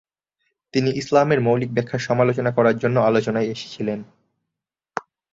তিনি ইসলামের মৌলিক ব্যাখ্যার সমালোচনা করার জন্য আলোচনায় এসেছিলেন।